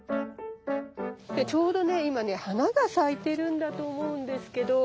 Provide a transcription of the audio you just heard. ちょうどね今ね花が咲いてるんだと思うんですけど。